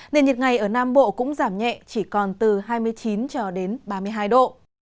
nền nhiệt ngày ở nam bộ cũng giảm nhẹ chỉ còn từ hai mươi chín ba mươi hai độ